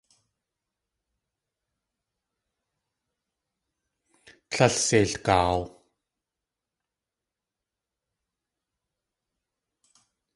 Tlél seilgaaw.